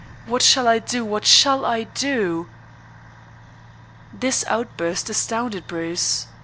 What shall I do? What shall I do?" This outburst astounded Bruce.